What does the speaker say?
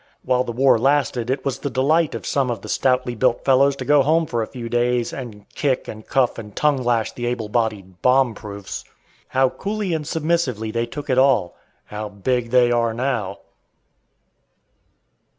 While the war lasted it was the delight of some of the stoutly built fellows to go home for a few days, and kick and cuff and tongue lash the able bodied bomb proofs. How coolly and submissively they took it all! How "big" they are now!